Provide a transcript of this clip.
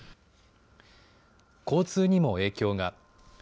交通にも影響が。